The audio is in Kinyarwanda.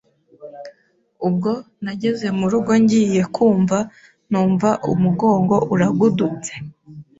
ubwo nageze mu rugo ngiye kumva numva umugongo uragudutse